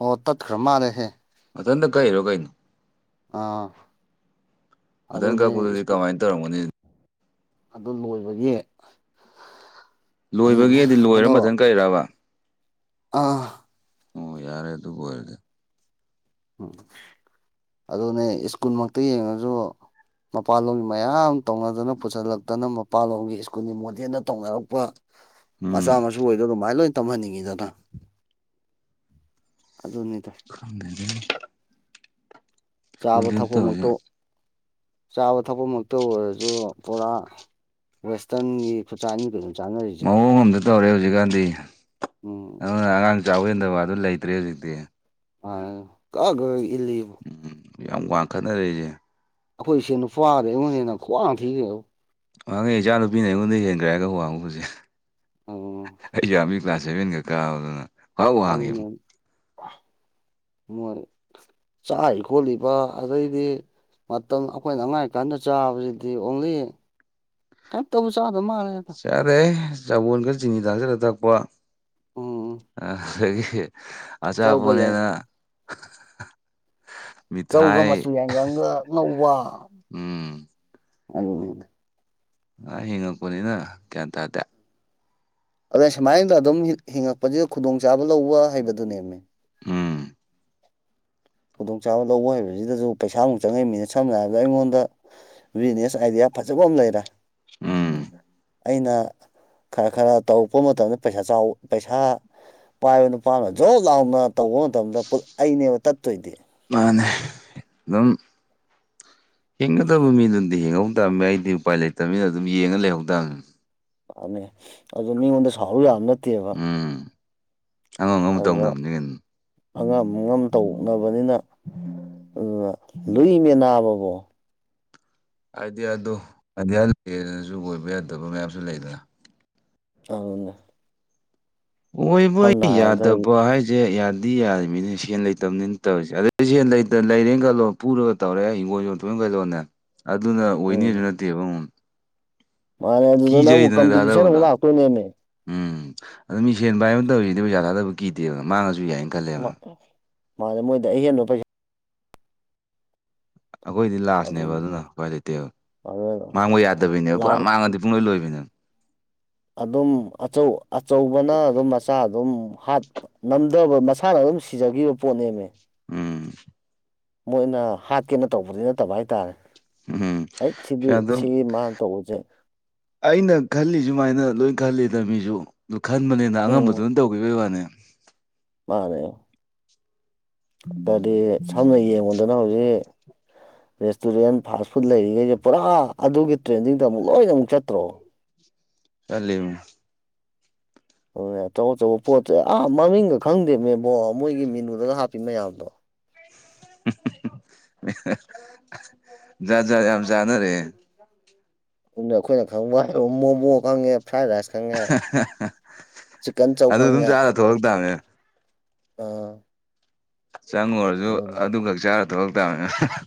ꯑꯣ ꯇꯠꯈ꯭ꯔ ꯃꯥꯜꯂꯦꯍꯦ ꯃꯊꯟꯗ ꯀꯩꯩꯅꯔꯣ ꯀꯩꯅꯣ ꯑꯥ ꯃꯊꯟ ꯑꯗꯨꯅꯦ ꯀꯛꯄꯗꯨꯗꯤ ꯁ꯭ꯀꯨꯜ ꯀꯃꯥꯏꯅ ꯇꯧꯔꯝꯒꯅꯤ ꯑꯗꯨ ꯂꯣꯏꯕꯒꯤ ꯑꯗꯨꯅꯦ ꯂꯣꯏꯕꯒꯤꯗꯤ ꯂꯣꯏꯔ ꯑꯗꯣ ꯃꯊꯪ ꯀꯩꯔꯕ ꯑꯥ ꯑꯣ ꯌꯥꯔꯦ ꯑꯗꯨꯕꯨ ꯑꯣꯏꯔꯗꯤ ꯎꯝ ꯑꯗꯨꯅꯦ ꯁ꯭ꯀꯨꯜꯃꯛꯇ ꯌꯦꯡꯉꯁꯨ ꯃꯄꯥꯟꯂꯣꯝꯒꯤ ꯃꯌꯥꯝ ꯇꯧꯅꯗꯅ ꯄꯨꯁꯤꯜꯂꯛꯇꯅ ꯃꯄꯥꯟꯂꯣꯝꯒꯤ ꯁ꯭ꯀꯨꯜꯒꯤ ꯃꯣꯗꯦꯗ ꯇꯧꯅꯔꯛꯄ ꯎꯝ ꯃꯆꯥ ꯃꯁꯨ ꯑꯣꯏꯗꯣ ꯑꯗꯨꯃꯥꯏꯅ ꯂꯣꯏ ꯇꯝꯍꯟꯅꯤꯡꯉꯤꯗꯅ ꯑꯗꯨꯅꯤꯗ ꯈꯪꯉ ꯑꯗꯨꯅꯤ ꯆꯥꯕ ꯇꯧꯔꯤꯁꯦ ꯊꯛꯄꯃꯛꯇ ꯆꯥꯕ ꯊꯛꯄꯃꯛꯇ ꯑꯣꯏꯔꯁꯨ ꯄꯨꯔꯥ ꯋꯦꯁꯇꯔꯟꯒꯤ ꯈꯨꯆꯥ ꯑꯅꯤꯒ ꯑꯗꯨꯝ ꯆꯥꯅꯔꯤꯁꯦ ꯃꯑꯣꯡ ꯑꯝꯗ ꯇꯧꯔꯦ ꯍꯧꯖꯤꯛꯀꯥꯟꯗꯤ ꯎꯝ ꯑꯗꯨꯅ ꯑꯉꯥꯡ ꯆꯥꯎ ꯍꯦꯟꯗꯕ ꯑꯗꯨ ꯂꯩꯇ꯭ꯔꯦ ꯍꯧꯖꯤꯛꯇꯤ ꯑ ꯀ ꯏ ꯎꯝ ꯌꯥꯝ ꯋꯥꯡꯈꯠꯅꯔꯛꯏꯁꯦ ꯑꯩꯈꯣꯏ ꯏꯁꯦ ꯅꯨꯄꯥꯗ ꯑꯩꯉꯣꯟꯗꯅ ꯈ꯭ꯋꯥꯡ ꯊꯤꯈ꯭ꯔꯦꯕ ꯋꯥꯥꯡꯉꯦ ꯏꯆꯥ ꯅꯨꯨꯄꯤꯅ ꯑꯩꯉꯣꯟꯗ ꯍꯦꯟꯒ꯭ꯔꯦꯒ ꯋꯥꯡꯉꯨꯕꯁꯦ ꯑꯩ ꯌꯥꯝꯃꯤ ꯀ꯭ꯂꯥꯁ ꯁꯦꯚꯦꯟꯒ ꯀꯥꯗꯅ ꯑꯗꯨ ꯃꯔꯦ ꯆꯥ ꯈꯣꯠꯂꯤꯕ ꯑꯗꯩꯗꯤ ꯃꯇꯝ ꯑꯩꯈꯣꯏꯅ ꯑꯉꯥꯡ ꯀꯥꯟꯗ ꯆꯥꯕꯁꯤꯗꯤ ꯑꯣꯡꯂꯤ ꯀꯩꯝ ꯇꯧꯕ ꯆꯥꯗꯕ ꯃꯥꯜꯂꯦ ꯆꯥꯔꯦ ꯆꯕꯣꯟꯒ ꯆꯤꯅꯤ ꯇꯥꯡꯁꯤꯂꯒ ꯊꯥꯛꯄ ꯎꯝ ꯑꯗꯒꯤ ꯑꯁꯥ ꯆꯧꯒ ꯌꯥꯏ ꯐꯅꯦꯅ ꯆꯧꯒ ꯃꯤꯊꯥꯏ ꯃꯆꯨ ꯌꯥꯏꯒꯪꯒ ꯅꯧꯕ ꯎꯝ ꯑꯗꯨ ꯑ ꯍꯤꯡꯉꯛꯄꯣꯅꯤꯅ ꯀꯇ ꯍꯥꯏꯗꯦ ꯑꯗ ꯁꯨꯃꯥꯏꯅꯗ ꯑꯗꯨꯝ ꯍꯤꯡꯉꯛꯄꯁꯤꯗ ꯈꯨꯗꯣꯡꯆꯥꯕ ꯂꯧꯕ ꯍꯩꯕꯗꯨꯅꯦꯕꯅꯦ ꯎꯝ ꯈꯨꯗꯣꯡꯆꯥꯕ ꯂꯧꯕ ꯍꯩꯕꯁꯤꯗꯁꯨ ꯄꯩꯁꯥꯃꯨꯛ ꯆꯪꯉꯛꯏꯕꯃꯤꯅ ꯁꯝꯅ ꯍꯥꯏꯔꯕꯗ ꯑꯩꯉꯣꯟꯗ ꯕꯤꯖꯤꯅꯦꯁ ꯑꯥꯏꯗꯤꯌꯥ ꯐꯖꯕ ꯑꯃ ꯂꯩꯔꯦ ꯎꯝ ꯑꯩꯅ ꯈꯔ ꯈꯔ ꯇꯧꯔꯛꯄ ꯃꯇꯝꯗ ꯄꯩꯁꯥ ꯆꯥꯎ ꯄꯩꯁꯥ ꯄꯥꯏꯕ ꯅꯨꯄꯥꯅ ꯖꯣꯕ ꯂꯥꯎꯅ ꯇꯧꯕ ꯃꯇꯝꯗ ꯑꯩꯅꯦꯕ ꯇꯠꯇꯣꯏꯗꯤ ꯃꯥꯅꯦ ꯑꯗꯨꯝ ꯍꯤꯡꯒꯗꯕ ꯃꯤꯗꯨꯗꯤ ꯍꯤꯡꯍꯧ ꯇꯥꯕꯅꯤ ꯑꯩꯗꯤ ꯎꯄꯥꯏ ꯂꯩꯇꯕꯅꯤꯅ ꯑꯗꯨꯝ ꯌꯦꯡꯉ ꯂꯩꯍꯧꯗꯥꯕꯅꯤ ꯑꯅꯤ ꯑꯗꯨ ꯃꯤꯉꯣꯟꯗ ꯁꯥꯎꯔ ꯌꯥꯝ ꯅꯠꯇꯦꯕ ꯑꯉꯥꯡ ꯑꯃ ꯑꯗꯨꯗ ꯇꯧꯅꯕꯅꯦ ꯀ ꯑꯉꯝ ꯑꯉꯝ ꯇꯧꯅꯕꯅꯤꯅ ꯑꯗꯨꯅ ꯂꯨꯏ ꯃ ꯅꯥꯕꯕꯣ ꯑꯥꯏꯗꯤꯌꯥꯗꯣ ꯑꯥꯏꯗꯤꯌꯥ ꯂꯩꯌꯦꯅꯁꯨ ꯑꯣꯏꯣꯏꯕ ꯌꯥꯗꯕ ꯃꯌꯥꯝꯁꯨ ꯂꯩꯗꯅ ꯑꯉꯅ ꯑꯣꯏꯕ ꯍꯥꯏꯔꯕꯗ ꯌꯥꯗꯕ ꯍꯥꯏꯁꯦ ꯑꯗꯨꯗꯤ ꯌꯥꯔꯤꯃꯤꯅꯦ ꯁꯦꯟ ꯂꯩꯇꯕꯅꯤꯅ ꯇꯧꯔꯤꯁꯦ ꯑꯗꯨꯗꯗꯤ ꯂꯩꯔꯦ ꯈꯜꯂꯣ ꯄꯨꯔꯒ ꯇꯧꯔꯦ ꯍꯤꯡꯣꯜꯁꯨ ꯁꯣꯏ ꯀꯩꯂꯣꯅꯦ ꯑꯗꯨꯅ ꯑꯣꯏꯅꯤꯁꯨ ꯅꯠꯇꯦꯕ ꯃꯥ ꯑꯗꯨ ꯀꯤꯖꯩꯗꯅ ꯊꯥꯗꯕꯗꯣ ꯀꯝꯄꯤꯇꯤꯁꯟꯥꯛꯣꯏ ꯅꯃꯦ ꯎꯝ ꯑꯗꯨ ꯃꯤ ꯁꯦꯟꯕ ꯍꯥꯏ ꯑꯃ ꯇꯧꯔꯤꯁꯤꯗꯤ ꯄꯩꯁꯥ ꯊꯥꯗꯕ ꯀꯤꯗꯦꯗꯅ ꯃꯥꯡꯉꯁꯨ ꯌꯥꯏꯅꯤ ꯃꯥꯅꯦ ꯃꯣꯏꯗ ꯑꯍꯦꯟꯕ ꯄꯩꯁꯥ ꯑꯩꯈꯣꯏꯗꯤ ꯂꯥꯁꯅꯦꯕ ꯑꯗꯨꯅꯤ ꯑꯗꯨꯅ ꯀꯥꯏ ꯂꯩꯇꯦꯕ ꯑꯗꯨꯅ ꯃꯥꯡꯕ ꯌꯥꯗꯕꯩꯅꯦꯕ ꯄꯨꯔꯥ ꯂꯥꯕ ꯃꯥꯡꯉꯗꯤ ꯄꯨꯡꯂꯣꯏ ꯂꯣꯏꯕꯅꯤꯅ ꯑꯗꯨꯝ ꯑꯆꯧꯕꯅ ꯑꯗꯨꯝ ꯃꯆꯥ ꯑꯗꯨꯝꯠꯄꯝ ꯑꯗꯧꯕ ꯃꯁꯥꯅ ꯑꯗꯨꯝ ꯁꯤꯖꯈꯤꯕ ꯄꯣꯠꯅꯦꯃꯦ ꯎꯝ ꯃꯣꯏꯅ ꯍꯥꯠꯀꯦꯅ ꯇꯧꯕꯗꯤ ꯅꯠꯇꯕ ꯍꯥꯏꯇꯥꯔꯦ ꯎꯝ ꯍꯩꯠ ꯁꯤꯗꯤ ꯄꯩꯁꯥꯗꯣ ꯁꯤꯒꯤ ꯃꯥꯅ ꯇꯧꯕꯖꯦ ꯑꯩꯅ ꯈꯜꯂꯤ ꯁꯨꯃꯥꯏꯅ ꯂꯣꯏ ꯈꯜꯂꯤꯗ ꯃꯤꯖꯨ ꯗꯨ ꯈꯟꯕꯅꯤꯅ ꯎꯝ ꯑꯉꯝꯕꯗꯨꯅ ꯇꯧꯒꯤꯕꯩ ꯋꯥꯅꯤ ꯃꯥꯅꯦ ꯑꯗꯗꯤ ꯁꯝꯅ ꯌꯦꯡꯉꯨꯗꯅ ꯍꯧꯖꯤꯛ ꯔꯦꯁꯇꯨꯔꯦꯟ ꯐꯥꯁ ꯐꯨꯗ ꯂꯩꯔꯤꯉꯩꯁꯦ ꯄꯨꯔꯥ ꯑꯗꯨꯒꯤ ꯇ꯭ꯔꯦꯟꯗꯤꯡꯗ ꯑꯃꯨꯛ ꯂꯣꯏꯅ ꯑꯃꯨꯛ ꯆꯠꯇ꯭ꯔꯣ ꯆꯠꯂꯤꯝ ꯗꯨꯅꯦ ꯑꯆꯧ ꯑꯆꯧꯕ ꯄꯣꯠꯁꯦ ꯑꯥ ꯃꯃꯤꯡꯒ ꯈꯪꯗꯦꯃꯦꯕꯣ ꯃꯣꯏꯒꯤ ꯃꯦꯅꯨꯗꯒ ꯍꯥꯞꯄꯤ ꯃꯌꯥꯝꯗꯣ [unintelligible] ꯖꯥ ꯖꯥꯠ ꯌꯥꯝ ꯆꯅꯔꯦ [inaudible] ꯎꯪꯅꯦ ꯑꯩꯈꯣꯏꯅ ꯈꯪꯕ ꯍꯥꯏ ꯃꯣꯃꯣ ꯈꯪꯉꯦ ꯐ꯭ꯔꯥꯏ ꯔꯥꯏꯁ ꯈꯪꯉꯦ ꯆꯤꯛꯀꯟ ꯆꯧ ꯑꯗꯨ ꯑꯗꯨꯝ ꯈꯪꯉꯦ ꯆꯥꯔ ꯊꯣꯛꯂꯛ ꯇꯥꯕꯅꯦ ꯑꯥ ꯆꯪꯉꯨꯔꯖꯨ ꯑꯗꯨꯅ ꯑꯗꯨ ꯈꯛ ꯆꯥꯔ ꯊꯣꯛꯂꯛꯇꯥꯕ ꯍꯥ ꯍꯥ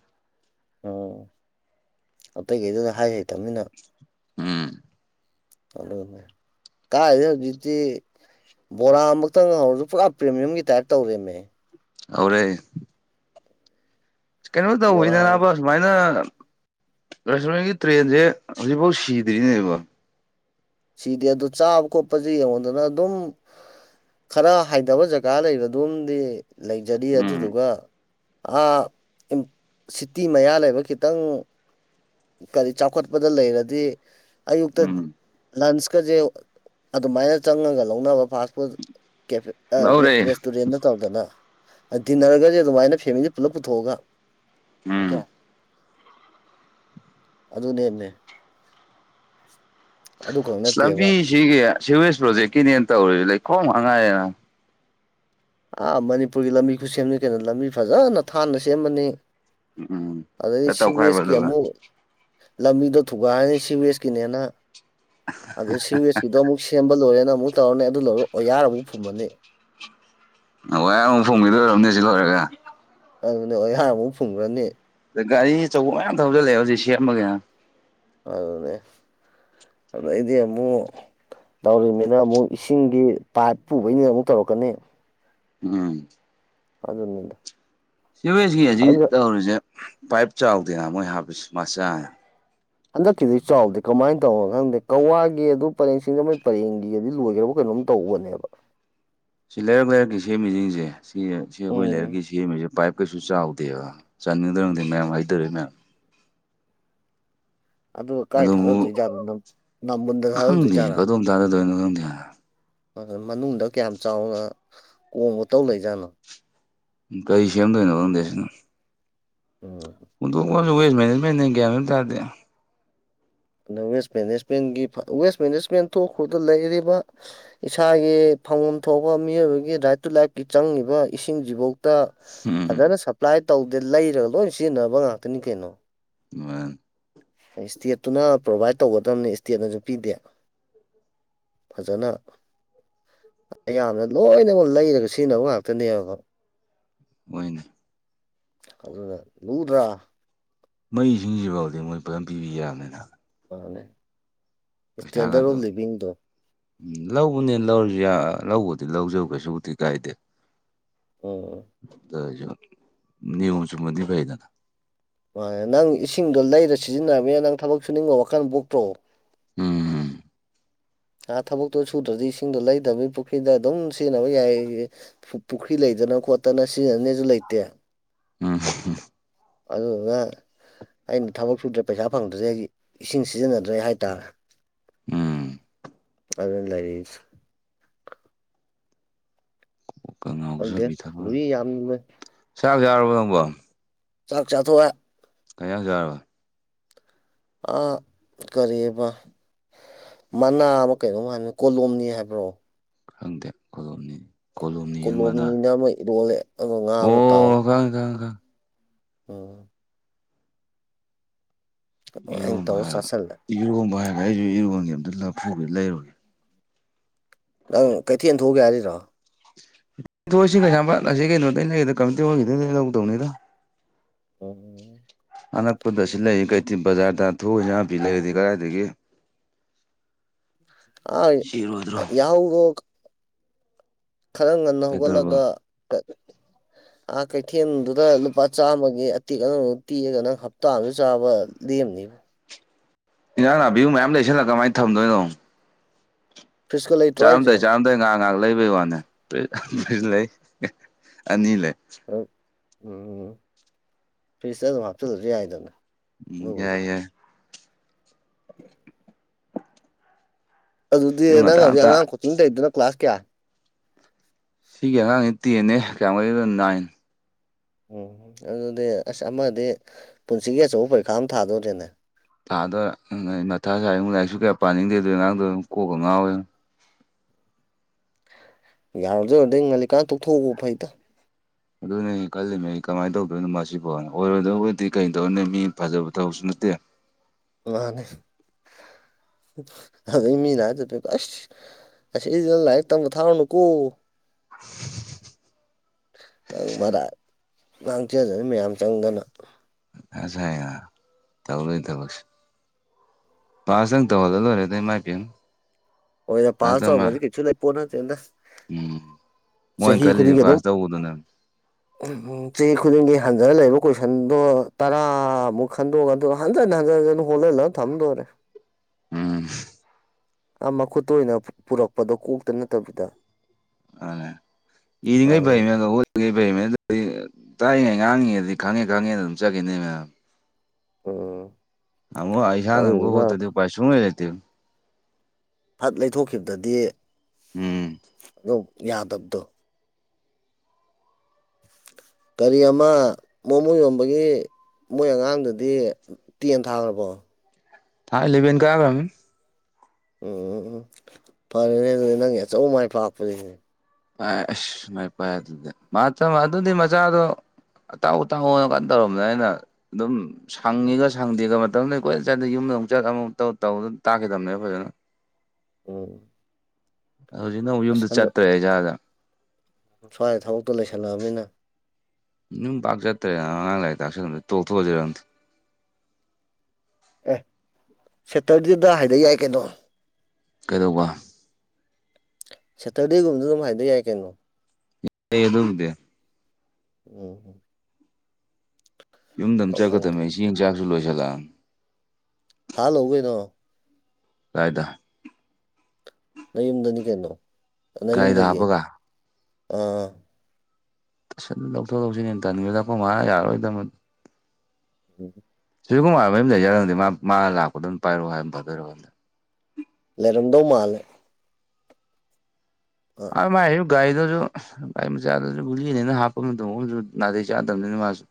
ꯑꯥ ꯑꯇꯩꯒꯩꯗꯨꯅ ꯍꯥꯏ ꯍꯩꯇꯝꯃꯤꯅ ꯎꯝ ꯑꯗꯨꯅꯤ ꯀꯥꯏꯗꯩ ꯍꯧꯖꯤꯛꯇꯤ ꯕꯣꯔꯥ ꯑꯃꯛꯇꯪ ꯍꯧꯔꯁꯨ ꯄꯨꯔꯥ ꯄ꯭ꯔꯤꯃꯤꯌꯝꯒꯤ ꯇꯥꯏꯞ ꯇꯧꯔꯦꯝꯃꯦ ꯍꯧꯔꯦ ꯀꯩꯅꯣ ꯇꯧꯏꯗ ꯕꯣꯔꯥꯒꯁꯦ ꯅꯥꯕ ꯔꯨꯃꯥꯏꯗ ꯔꯦꯁꯇꯨꯔꯦꯟꯒꯤ ꯇ꯭ꯔꯦꯟꯖꯦ ꯍꯧꯖꯤꯛꯐꯥꯎ ꯁꯤꯗ꯭ꯔꯤꯅꯦꯕꯣ ꯁꯤꯗꯦ ꯑꯗꯨ ꯆꯥꯕ ꯈꯣꯠꯄꯁꯦ ꯌꯦꯡꯉꯣꯗꯅ ꯑꯗꯨꯝ ꯈꯔ ꯍꯥꯏꯗꯕ ꯖꯒꯥ ꯂꯩꯕꯗꯨꯝꯗꯤ ꯂꯩꯖꯔꯤ ꯎꯝ ꯑꯗꯨꯗꯨꯒ ꯑꯥ ꯏꯝ ꯁꯤꯇꯤ ꯃꯌꯥ ꯂꯩꯕ ꯈꯤꯇꯪ ꯀꯔꯤ ꯆꯥꯎꯈꯠꯄꯗ ꯂꯩꯔꯗꯤ ꯑꯌꯨꯛꯇ ꯎꯝ ꯂꯟꯁꯀꯖꯦ ꯑꯗꯨꯃꯥꯏꯅ ꯆꯪꯉꯒ ꯂꯧꯅꯕ ꯐꯥꯔ꯭ꯁ ꯐꯨꯠ ꯀꯦꯐꯦ ꯑꯥ ꯔꯦ ꯂꯧꯔꯦ ꯔꯦꯁꯇꯨꯔꯦꯟꯗ ꯇꯧꯗꯅ ꯗꯤꯟꯅꯔꯒꯖꯦ ꯑꯗꯨꯃꯥꯏꯅ ꯐꯦꯃꯤꯂꯤ ꯄꯨꯂꯞ ꯄꯨꯊꯣꯛꯑꯒ ꯑꯀꯦ ꯎꯝ ꯑꯗꯨꯅꯦꯝꯅꯦ ꯑꯗꯨꯈꯛ ꯅꯠꯇꯦꯕ ꯂꯝꯕꯤꯁꯤꯒꯤ ꯁꯤꯋꯦꯁ ꯄ꯭ꯔꯣꯖꯦꯛꯀꯤꯅꯦꯅ ꯇꯧꯔꯤ ꯂꯩꯈꯣꯝ ꯉꯥꯛ ꯉꯥꯏꯔꯦꯅ ꯑꯥ ꯃꯅꯤꯄꯨꯔꯒꯤ ꯂꯝꯕꯤ ꯈꯨ ꯁꯦꯝꯅꯤ ꯀꯩꯅꯣ ꯂꯝꯕꯤ ꯐꯖꯅ ꯊꯥꯟꯅ ꯁꯦꯝꯃꯅꯤ ꯎꯝ ꯑꯗꯩ ꯇꯧꯈꯥꯏꯕ ꯁꯤꯚꯦꯁꯀꯤ ꯑꯗꯨꯒ ꯑꯃꯨꯛ ꯂꯝꯕꯤꯗꯣ ꯊꯨꯒꯥꯏꯑꯅꯤ ꯁꯤꯚꯦꯁꯀꯤꯅꯦꯅ ꯑꯗꯨ ꯁꯤꯋꯦꯁꯀꯤꯗꯣ ꯑꯃꯨꯛ ꯁꯦꯝꯕ ꯂꯣꯏꯔꯦꯅ ꯑꯃꯨꯛ ꯇꯧꯔꯅꯤ ꯑꯗꯨ ꯂꯣꯏꯔ ꯑꯣꯌꯥꯔ ꯑꯃꯨꯛ ꯐꯨꯝꯃꯅꯤ ꯑꯣꯌꯥꯔ ꯑꯃꯨ ꯐꯨꯝꯒꯤꯗꯣꯏ ꯑꯣꯏꯔꯝꯅꯤ ꯑꯁꯤ ꯂꯣꯏꯔꯒ ꯑꯗꯨꯅꯦ ꯑꯣꯌꯥꯔ ꯑꯃꯨꯛ ꯐꯨꯝꯒ꯭ꯔꯅꯤ ꯗ ꯒꯥꯔꯤ ꯑꯆꯧꯕ ꯃꯌꯥꯝ ꯊꯧꯖꯤꯜꯂꯦ ꯍꯧꯖꯤꯛ ꯁꯦꯝꯕꯒꯤ ꯑꯗꯨꯅꯦ ꯑꯗꯩꯗꯤ ꯑꯃꯨꯛ ꯇꯧꯔꯤꯝꯃꯤꯅ ꯑꯃꯨꯛ ꯏꯁꯤꯡꯒꯤ ꯄꯥꯏꯞ ꯄꯨꯕꯩꯅꯤꯅ ꯑꯃꯨꯛ ꯇꯧꯔꯛꯀꯅꯤ ꯎꯝ ꯑꯗꯨꯅꯤꯗ ꯁꯤꯋꯦꯖꯀꯤ ꯍꯖꯤ ꯑꯗꯨꯒ ꯇꯧꯔꯤꯖꯦ ꯄꯥꯏꯞ ꯆꯥꯎꯗꯦꯅ ꯃꯣꯏ ꯍꯥꯞꯄꯤꯁ ꯃꯆꯥ ꯍꯟꯗꯛꯀꯤꯗꯤ ꯆꯥꯎꯗꯦ ꯀꯃꯥꯏꯅ ꯇꯧꯑ ꯈꯪꯗꯦ ꯀꯋꯥꯒꯤ ꯑꯗꯨ ꯄꯔꯦꯡꯁꯤꯡꯗ ꯃꯣꯏ ꯄꯔꯦꯡꯒꯤꯒꯗꯤ ꯂꯣꯏꯒ꯭ꯔꯕ ꯀꯩꯅꯣꯝ ꯇꯧꯕꯅꯦꯕ ꯁꯤ ꯂꯩꯔꯛ ꯂꯩꯔꯛꯀꯤ ꯁꯦꯝꯃꯤꯖꯤꯡꯖꯦ ꯁꯤ ꯁꯤ ꯑꯩꯈꯣꯏ ꯎꯝ ꯂꯩꯔꯛꯀꯤ ꯁꯦꯝꯃꯤꯖꯦ ꯄꯥꯏꯞ ꯀꯩꯁꯨ ꯆꯥꯎꯗꯦꯕ ꯆꯟꯒꯗ꯭ꯔ ꯉꯪꯗꯦ ꯅꯌꯥ ꯃꯥꯏꯠ ꯇꯧꯔꯩ ꯃꯌꯥꯝ ꯑꯗꯨ ꯀꯥꯏ ꯑꯗꯨꯕꯨ ꯊꯥꯗꯣꯏꯖꯥꯠꯅꯣ ꯅꯝ ꯅꯝꯕꯨꯟꯗ ꯊꯥꯗꯗꯣꯏꯖꯥꯠꯔꯥ ꯗꯥꯗꯥꯗꯣꯏꯅꯣ ꯈꯪꯗꯦꯍ ꯅꯇꯅꯥ ꯃꯅꯨꯡꯗ ꯀꯌꯥꯝ ꯆꯥꯎꯅ ꯀꯣꯝꯒ ꯇꯧ ꯂꯩꯖꯥꯠꯅꯣ ꯒꯩ ꯁꯦꯝꯗꯣꯏꯅꯣ ꯒꯪꯗꯦ ꯑꯁꯤꯅ ꯎꯝ ꯄꯨꯟꯗꯣꯡ ꯋꯥꯖꯨ ꯋꯦꯁ ꯃꯅꯦꯖꯃꯦꯟꯅꯦ ꯒ꯭ꯌꯥꯟ ꯃꯦꯝ ꯇꯥꯗꯦ ꯋꯦꯁ ꯃꯦꯅꯦꯖꯃꯦꯟꯒꯤ ꯋꯦꯁ ꯃꯦꯅꯦꯖꯃꯦꯟ ꯊꯣꯛꯈ꯭ꯔꯗ ꯂꯩꯔꯤꯕ ꯏꯁꯥꯒꯤ ꯐꯪꯐꯝ ꯊꯣꯛꯄ ꯃꯤꯑꯣꯏꯕꯒꯤ ꯔꯥꯏꯠ ꯇꯨ ꯂꯥꯏꯐꯀꯤ ꯆꯪꯉꯤꯕ ꯏꯁꯤꯡꯁꯤꯐꯥꯎ ꯇ ꯎꯝ ꯐꯖꯅ ꯁꯞꯄ꯭ꯂꯥꯏ ꯇꯧꯗꯦ ꯂꯩꯔꯒ ꯂꯣꯏ ꯁꯤꯖꯤꯟꯅꯕ ꯉꯥꯛꯇꯅꯤ ꯀꯩꯅꯣ ꯃꯥ ꯏꯁꯇꯦꯠꯇꯨꯅ ꯄ꯭ꯔꯣꯕꯥꯏꯠ ꯇꯧꯒꯗꯕꯅꯤ ꯏꯁꯇꯦꯠꯅꯁꯨ ꯄꯤꯗꯦ ꯐꯖꯅ ꯑꯌꯥꯝꯕꯅ ꯂꯣꯏꯅꯃꯛ ꯂꯩꯔꯒ ꯁꯤꯖꯤꯟꯅꯕ ꯉꯥꯛꯇꯅꯦꯕꯀꯣ ꯑꯣꯏꯣꯏꯅꯦ ꯑꯗꯨ ꯂꯗ꯭ꯔ ꯃꯩꯁꯤꯡꯁꯤꯐꯥꯎꯗꯤ ꯃꯣꯏ ꯐꯖꯝ ꯄꯤꯕꯤ ꯌꯥꯕꯅꯤꯅ ꯃꯥꯅꯦ ꯏꯁꯇꯦꯟꯗꯔꯠ ꯄꯩꯁꯥꯒꯗꯣ ꯑꯣꯐ ꯂꯤꯕꯤꯡꯗꯣ ꯎꯝ ꯂꯧꯕꯅꯦ ꯂꯧꯔꯁꯨ ꯂꯧꯕꯗꯤ ꯂꯧꯖꯕ ꯀꯩꯁꯨꯕꯨꯗꯤ ꯀꯥꯏꯗꯦ ꯑꯣ ꯑꯣ ꯅꯅꯤ ꯆ ꯃ ꯄ ꯃꯥꯅꯦ ꯅꯪ ꯏꯁꯤꯡꯗꯣ ꯂꯩꯔ ꯁꯤꯖꯤꯟꯅꯅꯤꯅ ꯅꯪ ꯊꯕꯛ ꯁꯨꯅꯤꯡꯕ ꯋꯥꯈꯜ ꯄꯣꯛꯇ꯭ꯔꯑꯣ ꯎꯝ ꯑꯥ ꯊꯕꯛꯇꯣ ꯁꯨꯗ꯭ꯔꯗꯤ ꯏꯁꯤꯡꯗꯣ ꯂꯩꯇꯕ ꯄꯨꯈ꯭ꯔꯤꯗ ꯑꯗꯨꯝ ꯁꯤꯖꯤꯟꯅꯕ ꯌꯥꯏ ꯄꯨꯈ꯭ꯔꯤ ꯂꯩꯇꯅ ꯈꯣꯠꯇꯅ ꯁꯤꯖꯤꯟꯅꯅꯦꯁꯨ ꯂꯩꯇꯦ ꯎꯝ ꯑꯗꯨꯒ ꯑꯩꯅ ꯊꯕꯛ ꯁꯨꯗ꯭ꯔꯦ ꯄꯩꯁꯥ ꯐꯪꯗ꯭ꯔꯁꯦ ꯑꯩꯗꯤ ꯏꯁꯤꯡ ꯁꯤꯖꯤꯟꯅꯗ꯭ꯔꯦ ꯍꯥꯏꯇꯥꯔꯦ ꯎꯝ ꯑꯗꯨ ꯂꯩꯥꯏꯔꯤ ꯉ ꯉꯥꯎꯕꯁꯨ ꯈꯪꯗꯦ ꯄꯤꯊꯕ ꯂꯨꯏ ꯌꯥꯝꯅ ꯆꯥꯛ ꯌꯥꯎꯔꯕ ꯅꯪꯕꯣ ꯆꯥꯛ ꯆꯥꯊꯣꯛꯑ ꯀꯌꯥ ꯆꯔꯣꯏ ꯑ ꯀꯔꯤꯑꯕ ꯃꯅꯥ ꯑꯃ ꯀꯩꯅꯣꯝ ꯍꯥꯏꯅꯤ ꯀꯣꯂꯣꯝꯅꯤ ꯍꯥꯏꯕ꯭ꯔꯣ ꯈꯪꯗꯦ ꯈꯨꯗꯣꯝꯅꯤꯅꯤ ꯀꯣꯂꯣꯝꯅꯤꯅ ꯑꯃ ꯏꯔꯣꯜꯂꯦ ꯑꯗꯣ ꯉꯥ ꯑꯃ ꯇꯥꯎꯋꯦ ꯉ ꯉꯒ ꯎꯝ ꯑꯩꯅ ꯏꯔꯣꯝꯕ ꯇꯧꯔ ꯍꯥꯏꯔꯒ ꯆꯥꯁꯤꯜꯂꯦ ꯏꯔꯣꯝꯕ ꯍꯥꯏꯔꯒ ꯑꯩꯁꯨ ꯏꯔꯣꯟꯒꯤ ꯑꯝꯇ ꯂꯐꯨꯒ ꯂꯩꯔꯨꯔꯒꯦ ꯅꯪ ꯀꯩꯊꯦꯜ ꯊꯣꯛꯑꯒꯦ ꯍꯥꯏꯔꯤꯔꯣ ꯊꯣꯛꯣꯏꯏꯁꯤ ꯀꯩꯁꯥꯄꯥꯠꯂꯁꯤ ꯀꯩꯅꯣꯗ ꯂꯩꯒꯗ ꯀꯃꯤꯇꯤ ꯑꯣꯏꯈꯤꯗꯣꯏ ꯂꯧꯗꯧꯅꯤꯗ ꯎꯝ ꯑꯅꯛꯄꯗ ꯁꯤ ꯂꯩ ꯀꯩꯊ ꯕꯖꯥꯔꯗ ꯊꯨꯏ ꯅꯥꯕꯤ ꯂꯩꯔꯗꯤ ꯀꯗꯥꯏꯗꯒꯤ ꯑ ꯁꯤꯔꯣꯏꯗ꯭ꯔꯣ ꯌꯥꯎꯗꯣ ꯈꯔ ꯉꯟꯅ ꯀꯩꯗꯧꯔꯕ ꯍꯧꯒꯠꯂꯒ ꯑꯥ ꯀꯩꯊꯦꯜꯗꯨꯗ ꯂꯨꯄꯥ ꯆꯥꯝꯃꯒꯤ ꯑꯇꯦꯛ ꯑꯅ ꯇꯤꯑꯒ ꯅꯪ ꯍꯞꯇꯥ ꯑꯃꯨ ꯆꯥꯕ ꯂꯦꯝꯅꯤꯕ ꯏꯟꯥꯡ ꯅꯥꯄꯤꯕꯨ ꯃꯌꯥꯝ ꯂꯩꯁꯤꯜꯂꯒ ꯀꯃꯥꯏꯅ ꯊꯝꯗꯣꯏꯅꯣ ꯐ꯭ꯔꯤꯖꯀ ꯂꯩꯇ꯭ꯔꯣ ꯍꯥꯏꯁꯦ ꯆꯥꯔꯝꯗꯣꯏ ꯆꯥꯔꯝꯗꯩ ꯉꯥꯏꯍꯥꯛ ꯉꯥꯏꯍꯥꯛ ꯂꯩꯕꯩ ꯋꯥꯅꯦ ꯂꯩ ꯑꯅꯤ ꯂꯩ ꯎꯝ ꯎꯝ ꯐ꯭ꯔꯤꯖꯇ ꯑꯗꯨꯝ ꯍꯥꯞꯆꯤꯜꯂꯁꯨ ꯌꯥꯏꯗꯅ ꯝ ꯌꯥꯏ ꯑꯗꯨꯕꯨꯗꯤ ꯌꯥꯏ ꯑꯗꯨꯗꯤ ꯑꯌꯨꯛ ꯅꯪ ꯉꯟꯇꯥ ꯍꯧꯖꯤꯛ ꯉꯟꯇꯥ ꯑꯉꯥꯡ ꯀꯣꯆꯤꯡ ꯂꯩꯗꯅ ꯀ꯭ꯂꯥꯁ ꯀꯌꯥ ꯁꯤꯒꯤ ꯑꯉꯥꯡꯁ ꯇꯦꯟꯅꯦ ꯀꯌꯥꯃꯨꯔꯤꯗ ꯅꯥꯏꯟ ꯎꯝ ꯑꯗꯨꯗꯤ ꯑꯁ ꯑꯃꯗꯤ ꯄꯨꯟꯁꯤꯒꯤ ꯑꯆꯧꯕ ꯄꯔꯤꯈꯥ ꯑꯃ ꯊꯥꯗꯧꯔꯤꯦꯅꯦ ꯊꯥꯗ ꯃꯊꯥ ꯁꯉꯨ ꯂꯥꯏꯁꯨ ꯀꯌꯥ ꯄꯥꯅꯤꯡꯗꯦ ꯑꯗꯨꯗꯣ ꯑꯉꯥꯡꯗꯣ ꯑꯗꯨꯝ ꯀꯣꯛꯄ ꯉꯥꯎꯋꯦ ꯌꯥꯔꯗꯣꯏꯔꯗꯤꯩ ꯉꯜꯂꯤꯛꯀꯥꯟꯗ ꯇꯣꯛꯊꯣꯛꯎꯕ ꯐꯩꯇ ꯑꯗꯨꯅꯦ ꯑꯩ ꯈꯜꯂꯤꯕ ꯑꯩ ꯀꯃꯥꯏꯅ ꯇꯧꯗꯣꯏꯅꯣ ꯃꯁꯤꯁꯤꯐꯥꯎ ꯑꯣꯏꯔꯣꯏꯗꯕꯨꯗꯤ ꯀꯩꯗꯧꯅꯦ ꯃꯤ ꯐꯖꯕ ꯊꯕꯁꯨ ꯅꯠꯇꯦ ꯃꯥꯅꯦ ꯏꯃꯤꯅꯁ ꯑꯁꯤꯁꯤꯗ ꯂꯥꯏꯔꯤꯛ ꯇꯝꯕ ꯊꯥꯔꯨꯅꯨꯀꯣ [unintelligible] ꯅꯪ ꯃꯔꯥ ꯉꯥꯡꯊꯦꯗꯅ ꯃꯌꯥꯝ ꯆꯪꯗꯅ ꯑꯁ ꯍꯥꯏꯅ ꯇꯧꯔꯣꯏ ꯊꯕꯛꯁꯦ ꯍ ꯁꯪ ꯇ ꯍꯗꯣꯔꯦ ꯇ ꯃꯥ ꯑꯣꯅ ꯄꯜ ꯆꯥꯎꯗꯤ ꯀꯁꯨꯨ ꯂꯩ ꯄꯣꯅꯠꯇꯦ ꯎꯝ ꯃꯣꯏꯅ ꯈꯜꯂꯤꯁꯦ ꯑꯗꯨꯝ ꯄꯥꯁ ꯇꯧꯕꯗꯨꯅ [unintelligible] ꯆꯍꯤ ꯈꯨꯗꯤꯡꯒꯤ ꯍꯟꯖꯅ ꯂꯩꯕ ꯀꯣꯏꯁꯟꯗꯣ ꯇꯔꯥꯃꯨꯛ ꯈꯟꯗꯣꯛꯑꯒ ꯑꯗꯨ ꯍꯟꯖꯟ ꯍꯟꯖꯤꯟ ꯍꯟꯖꯟ ꯍꯣꯜꯍꯜꯂꯒ ꯊꯝꯗ ꯑꯣꯏꯔꯦ ꯎꯝ ꯑ ꯃꯈꯨꯠꯇ ꯑꯣꯏꯅ ꯄꯨꯔꯛꯄꯗꯣ ꯀꯣꯛꯇ ꯅꯠꯇꯕꯤꯗ ꯑꯅꯦ ꯏꯗꯤꯉ ꯏ ꯄ ꯑꯗꯨꯅꯤ ꯑꯗꯨ ꯦꯃꯦꯟ ꯑꯗꯨꯗꯤ ꯇꯥꯛꯏꯉꯩ ꯉꯥꯡꯉꯤꯉꯩꯗꯤ ꯈꯪꯉꯦ ꯈꯪꯉꯦꯅ ꯑꯗꯨꯝ ꯆꯠꯈꯤꯅꯦ ꯃꯦꯝ ꯎꯝ ꯑꯃ ꯑꯩꯁꯅ ꯑꯗꯨꯗꯨꯒ ꯑꯃꯛꯣꯦ ꯄꯩꯁꯁꯨꯨ ꯂꯩꯇꯨ ꯐꯠ ꯂꯩꯊꯣꯛꯈꯤꯕꯗꯗꯤ ꯎꯝ ꯇꯣꯞ ꯌꯥ ꯑꯗꯕꯗ ꯀꯔꯤ ꯑꯃ ꯃꯣꯃꯨ ꯌꯣꯟꯕꯒꯤ ꯃꯣꯏ ꯑꯉꯥꯡꯗꯨꯗꯤ ꯇꯤ ꯑꯃ ꯊꯥꯈ꯭ꯔꯕꯣ ꯊꯥ ꯏꯂꯚꯕꯦꯟ ꯀꯌꯥ ꯑꯣꯏ꯭ꯔꯝꯃꯤ ꯎꯝ ꯎꯝ ꯎꯝ ꯐꯔꯦꯅꯦ ꯑꯗꯨꯗꯤ ꯅꯪꯒꯤ ꯑꯆꯧ ꯃꯥꯏ ꯄꯥꯛꯄꯔꯤꯁꯤꯅꯦ ꯑꯁꯨ ꯃꯥꯏ ꯄꯥꯏ ꯑꯗꯨꯗꯤ ꯃꯥ ꯑꯗꯨꯗꯤ ꯃꯆꯥꯗꯣ ꯑꯇꯥꯎ ꯑꯇꯥꯎ ꯀꯥꯟ ꯇꯧꯔꯕꯅ ꯑꯩꯅ ꯑꯗꯨꯝ ꯁꯪꯉꯤꯒ ꯁꯪꯗꯦꯒ ꯃꯇꯝꯗ ꯀꯣꯏꯅ ꯆꯠꯗ ꯌꯨꯝꯗ ꯑꯃꯨꯛ ꯆꯠ ꯑꯃꯨꯛꯧ ꯇꯧ ꯇꯥꯈꯤꯗꯕꯅꯦꯕ ꯐꯖꯅ ꯎꯝ ꯍꯧꯖꯤꯛꯅ ꯑꯃꯨꯛ ꯑꯁ ꯌꯨꯝꯗ ꯍꯟꯗꯛ ꯆꯠꯇ꯭ꯔꯦ ꯖꯥꯗ ꯁ꯭ꯋꯥꯏꯗ ꯊꯕꯛꯇꯣ ꯂꯩꯁꯜꯂꯛꯑꯕꯅꯤꯅ ꯅꯝ ꯄꯥꯛ ꯆꯠꯔꯦ ꯑꯉꯥꯡ ꯂꯦꯁ ꯇꯣꯛꯊꯣꯔꯣ ꯑꯦ ꯁꯦꯇꯔꯗꯦꯗ ꯍꯥꯏꯗ ꯌꯥꯏ ꯀꯩꯅꯣ ꯀꯩꯗꯧꯕ ꯁꯦꯇꯔꯗꯦꯒꯨꯝꯕꯗ ꯑꯗꯨꯝ ꯍꯥꯏꯗ ꯌꯥꯏ ꯀꯩꯅꯣ ꯌꯦ ꯑꯗꯨꯗ ꯎꯝ ꯎꯝ ꯌꯨꯝꯗ ꯑꯃ ꯀꯅꯥ ꯈꯪꯗꯦ ꯆꯠꯀꯗꯝꯕꯅꯦ ꯆ ꯆꯥꯛꯁꯨ ꯂꯣꯏꯁꯤꯜꯂꯛꯑꯅꯤ ꯊꯥꯍꯥꯟ ꯂꯛꯎ ꯀꯩꯅꯣ ꯀꯥꯏꯗ ꯅꯌꯨꯝꯗꯅꯤ ꯀꯩꯅꯣ ꯅꯪ ꯒꯥꯔꯤꯗ ꯌꯨꯝꯗꯒꯤ ꯍꯥꯞꯄꯒ ꯑꯥ ꯇꯨꯁꯟ ꯂꯧꯊꯣꯛ ꯂꯧꯁꯤꯅꯦ ꯇꯟꯅꯤꯡꯉ ꯂꯛꯄ ꯃꯥ ꯌꯥꯔꯣꯏꯗꯕꯅꯤ ꯎꯝ ꯁꯨꯔꯖꯤꯀꯨꯃꯥꯔ ꯃꯔꯤ ꯂꯩꯔꯒꯗꯤ ꯃꯥ ꯂꯥꯛꯄ ꯑꯗꯨꯝ ꯄꯥꯏꯔꯛꯑꯣ ꯍꯥꯏꯅ ꯐꯗꯣꯏꯔꯣꯗ ꯂꯩꯔꯝꯗꯧ ꯃꯥꯜꯂꯦ ꯑꯥ ꯑ ꯃꯥꯏ ꯒꯒꯥꯥꯏꯗꯨꯁꯨ ꯒꯥꯔꯤ ꯃꯆꯥꯗꯨꯁꯨ ꯒꯨꯂꯤꯅꯦꯅ ꯍꯥꯞꯄ ꯃꯇꯝ ꯑꯃꯁꯁꯨ ꯅꯥꯇꯩ ꯆꯥꯗꯕꯅꯤꯅ ꯃꯥꯁꯨ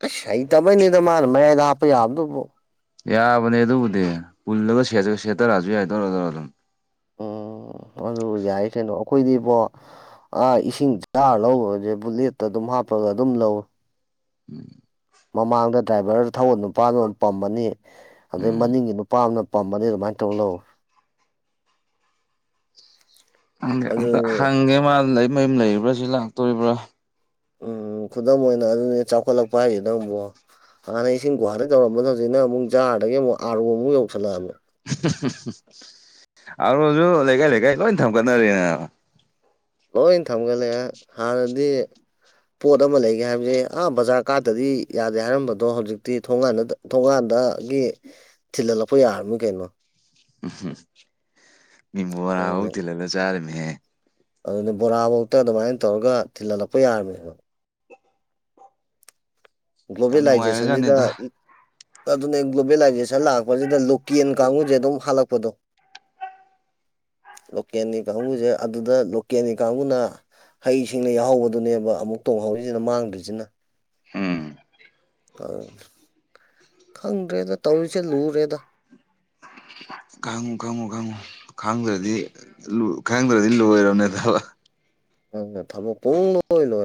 ꯀꯁ ꯍꯩꯇꯕꯩꯅꯤꯗ ꯃꯥꯅ ꯃꯌꯥꯏꯗ ꯍꯥꯞꯄ ꯌꯥꯕꯗꯨꯕꯣ ꯌꯥꯕꯅꯦ ꯑꯗꯨꯕꯨꯗꯤ ꯄꯨꯜꯂꯒ ꯁꯦꯠꯇꯔꯛꯑꯁꯨ ꯌꯥꯏ ꯇꯧꯔ ꯑꯗꯨꯧꯔ ꯑꯗꯨꯝ ꯎꯝ ꯑꯗꯨ ꯌꯥꯏ ꯀꯩꯅꯣ ꯑꯩꯈꯣꯏꯗꯤꯕꯣ ꯑꯥ ꯏꯁꯤꯡ ꯆꯥꯔ ꯂꯧꯕꯁꯦ ꯕꯨꯂꯦꯠꯇ ꯑꯗꯨꯝ ꯍꯥꯞꯄꯒ ꯑꯗꯨꯝ ꯂꯧꯋꯦ ꯎꯝ ꯃꯃꯥꯡꯗ ꯗ꯭ꯔꯥꯏꯚꯔ ꯊꯧꯧꯕ ꯅꯨꯄꯥꯅ ꯄꯝꯕꯅꯤ ꯑꯗꯩ ꯎꯝ ꯃꯅꯤꯡꯒꯤ ꯅꯨꯄꯥ ꯑꯃꯅ ꯄꯝꯕꯅꯤ ꯔꯨ ꯃꯥꯟ ꯇꯧꯂꯣ ꯍꯪꯒꯦ ꯑꯝꯇ ꯑꯗꯨꯅꯤ ꯍꯪꯉꯦ ꯃꯥ ꯂꯩ ꯃꯌꯨꯝ ꯂꯩ꯭ꯔꯥ ꯁꯤ ꯂꯥꯛꯇꯣꯔꯤꯕ꯭ꯔꯥ ꯎꯝ ꯈꯨꯗꯝ ꯑꯣꯏꯅ ꯑꯗꯨꯅꯦ ꯆꯥꯎꯈꯠꯂꯛꯄ ꯍꯥꯏꯈꯤꯗꯪꯕꯨꯣ ꯍꯥꯟꯅ ꯏꯁꯤꯡ ꯒꯨꯍꯥꯇꯩ ꯇꯧꯔꯝꯕꯗ ꯍꯧꯖꯤꯛꯅꯨꯛꯥꯔꯗꯒꯤ ꯑꯃꯨꯛ ꯑꯥꯔꯨ ꯑꯃꯨꯛ ꯌꯧꯁꯜꯂꯛꯑꯕꯃꯦ ꯑꯔꯣꯁꯨ ꯂꯩꯀꯥꯏ ꯂꯩꯀꯥꯏ ꯂꯣꯏ ꯊꯝꯒꯠꯅꯔꯤꯦꯅꯦ ꯂꯣꯏ ꯊꯝꯒꯠꯂꯦ ꯍꯥꯟꯅꯗꯤ ꯄꯣꯠ ꯑꯃ ꯂꯩꯒꯦ ꯍꯥꯏꯕꯁꯦ ꯑꯥ ꯕꯖꯥꯔ ꯀꯥꯔꯠꯇꯗꯤ ꯌꯥꯗꯦ ꯍꯥꯏꯔꯝꯕꯗꯣ ꯍꯧꯖꯤꯛꯇꯤ ꯊꯣꯡꯀꯥꯟꯗ ꯊꯣꯡꯒꯥꯟꯗꯒꯤ ꯊꯤꯜꯍꯜꯂꯛꯄ ꯌꯥꯔꯝꯅꯤ ꯀꯩꯅꯣ ꯎ ꯃꯤꯕꯨ ꯍꯔꯥꯡ ꯍꯧꯥꯎ ꯊꯤꯜꯂꯂ ꯆꯥꯔꯝꯃꯤꯍꯦ ꯑꯗꯨꯅ ꯕꯣꯔꯥꯐꯧꯗ ꯑꯗꯨꯃꯥꯏꯅ ꯇꯧꯔꯒ ꯊꯤꯜꯍꯜꯂꯛꯄ ꯌꯥꯔꯃꯦꯕ ꯌꯥꯝ ꯒ꯭ꯂꯣꯕꯦꯂꯥꯏꯖꯦꯁꯟꯁꯤꯗ ꯅꯨꯡꯉꯥꯏꯔꯖꯥꯠꯅꯤꯗ ꯑꯗꯨꯅꯦ ꯒ꯭ꯂꯣꯕꯦꯂꯥꯏꯖꯦꯁꯟ ꯂꯥꯛꯄꯁꯤꯗ ꯂꯣꯀꯦꯟ ꯀꯥꯡꯕꯨꯁꯦ ꯑꯗꯨꯝ ꯍꯥꯜꯂꯛꯄꯗꯣ ꯂꯣꯀꯦꯜꯒꯤ ꯀꯥꯡꯕꯨꯁꯦ ꯑꯗꯨꯗ ꯂꯣꯀꯦꯜꯒꯤ ꯀꯥꯡꯕꯨꯅ ꯍꯩꯁꯤꯡꯅ ꯌꯥꯎꯍꯧꯕꯗꯨꯅꯦꯕ ꯑꯃꯨꯛ ꯇꯣꯡꯍꯧꯔꯤꯁꯤꯅ ꯃꯥꯡꯗ꯭ꯔꯤꯁꯤꯅ ꯎꯝ ꯑ ꯈꯪꯗ꯭ꯔꯦꯗ ꯇꯧꯔꯤꯁꯦ ꯂꯨꯔꯦꯗ ꯈꯉꯨ ꯈꯉꯨ ꯈꯉꯨ ꯈꯥꯡꯗ꯭ꯔꯗꯤ ꯈꯥꯡꯗ꯭ꯔꯗꯤ ꯂꯣꯏꯔꯕꯅꯦ ꯊꯕ ꯎꯪ ꯊꯝꯃꯣ ꯀꯨꯡ ꯂꯣꯏ ꯂꯣꯏ